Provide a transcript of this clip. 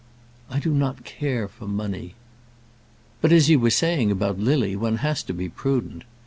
"I do not care for money." "But, as you were saying about Lily, one has to be prudent.